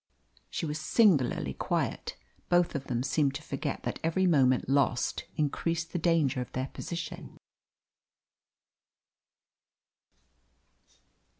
She was singularly quiet. Both of them seemed to forget that every moment lost increased the danger of their position.